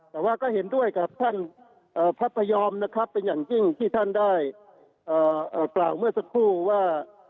แต่ว่าก็เห็นด้วยกับท่านพระพยอมนะครับเป็นอย่างยิ่งที่ท่านได้กล่าวเมื่อสักครู่ว่า